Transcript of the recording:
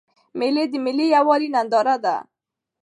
مېلې د ملي یوالي ننداره ده.